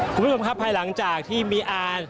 คุณผู้ชมครับภายหลังจากที่มีอาร์